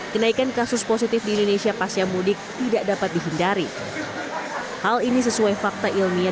kenaikan kasus positif di indonesia pasca mudik tidak dapat dihindari hal ini sesuai fakta ilmiah